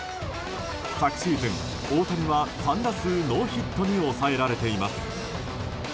昨シーズン、大谷は３打数ノーヒットに抑えられています。